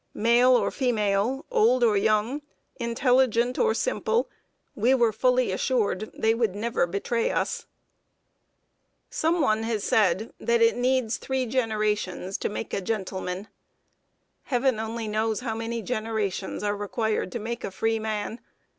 Male or female, old or young, intelligent or simple, we were fully assured they would never betray us. [Sidenote: TOUCHING FIDELITY OF THE SLAVES.] Some one has said that it needs three generations to make a gentleman. Heaven only knows how many generations are required to make a freeman!